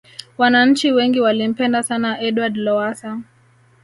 wananchi wengi walimpenda sana edward lowasa